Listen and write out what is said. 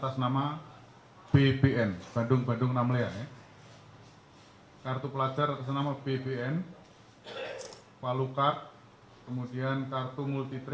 setelah petugas melakukan penangkapan dan terjadi penembak penembak tersebut